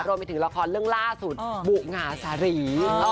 รวมไปถึงละครเรื่องล่าสุดบุหงาสารี